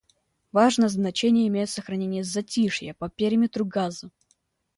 Важное значение имеет сохранение «затишья» по периметру Газы.